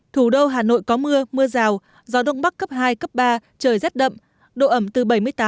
thủ đô hà nội có mưa mưa rào gió đông bắc cấp hai cấp ba trời rét đậm độ ẩm từ bảy mươi tám chín mươi tám